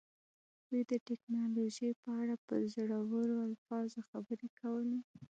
دوی د ټیکنالوژۍ په اړه په زړورو الفاظو خبرې کولې